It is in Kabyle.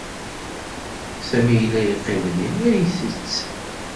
Sami yella yeqqim din, la isett.